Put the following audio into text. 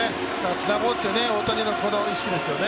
つなごうっていう大谷の意識ですよね。